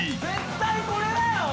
絶対これだよ。